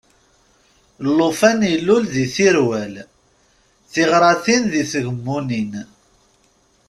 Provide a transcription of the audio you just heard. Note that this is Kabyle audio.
Llufan ilul di Tirwal, tiɣratin di Tgemmunin!